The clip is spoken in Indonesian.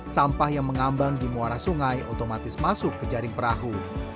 sampah yang mengambang di muara sungai otomatis masuk ke jaring perahu